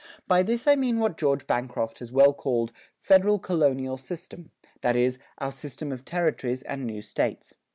By this I mean what George Bancroft has well called "federal colonial system," that is, our system of territories and new States.